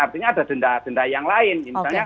artinya ada denda denda yang lain misalnya